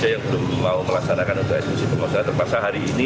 yang belum mau melaksanakan untuk eksekusi permasalahan terpaksa hari ini